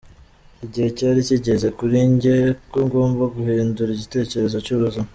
Igihe cyari kigeze kuri jye ko ngomba guhindura ikerekezo cy’ubuzima.